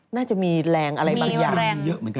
น่าจะมีแรงอะไรบางอย่าง